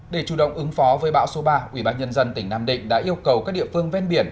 để chủ động ứng phó với bão số ba ubnd tỉnh nam định đã yêu cầu các địa phương ven biển